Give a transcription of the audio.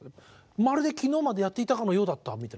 まるで昨日までやってたかのようだったみたいな感じですか？